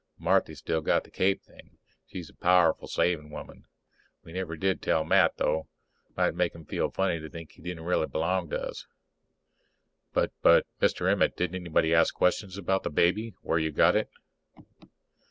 Marthy's still got the cape thing. She's a powerful saving woman. We never did tell Matt, though. Might make him feel funny to think he didn't really b'long to us. _But but Mr. Emmett, didn't anybody ask questions about the baby where you got it?